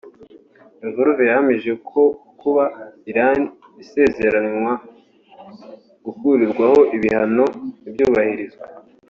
Lavrov yahamije ko kuba Iran isezeranywa gukurirwaho ibihano ntibyubahirizwe